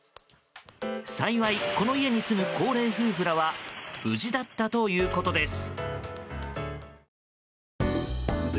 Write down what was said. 幸い、この家に住む高齢夫婦らは無事だったということです。